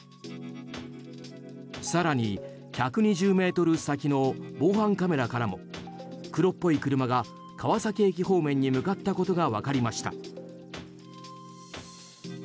更に１２０ｍ先の防犯カメラからも黒っぽい車が川崎駅方面に向かったことが分かりました。